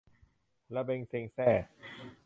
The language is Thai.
ระเบ็งเซ็งแซ่